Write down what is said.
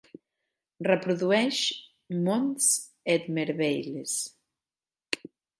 Reprodueix Monts Et Merveilles.